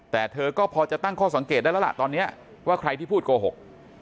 แต่เธอก็พอจะตั้งข้อสังเกตได้แล้วล่ะตอนนี้ว่าใครที่พูดโกหก